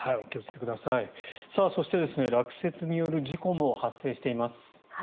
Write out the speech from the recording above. そして、落雪による事故も発生しています。